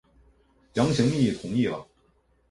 杨行密同意了。